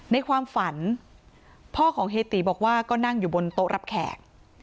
ในความฝันพ่อของเฮติบอกว่าก็นั่งอยู่บนโต๊ะรับแขก